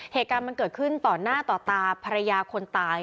เหตุการณ์มันเกิดขึ้นต่อหน้าต่อตาภรรยาคนตาย